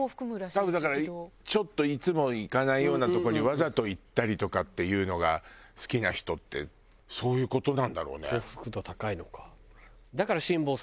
多分だからちょっといつも行かないようなとこにわざと行ったりとかっていうのが好きな人ってそういう事なんだろうね。